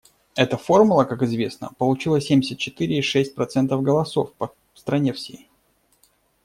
Эта формула, как известно, получила семьдесят четыре и шесть процентов голосов по стране всей.